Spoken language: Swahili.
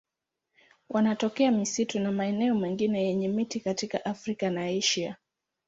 Wanatokea misitu na maeneo mengine yenye miti katika Afrika na Asia.